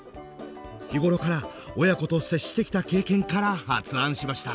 日頃から親子と接してきた経験から発案しました。